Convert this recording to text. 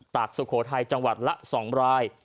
ตากสวโขไทยจังหวัดละ๒ราย